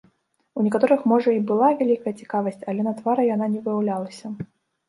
У некаторых можа і была вялікая цікавасць, але на твары яна не выяўлялася.